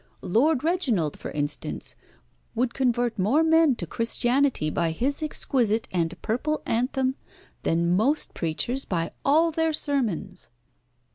Lord Reginald, for instance, would convert more men to Christianity by his exquisite and purple anthem than most preachers by all their sermons."